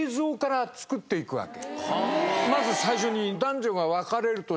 まず最初に。